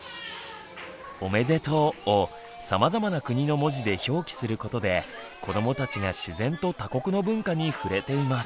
「おめでとう」をさまざまな国の文字で表記することで子どもたちが自然と他国の文化に触れています。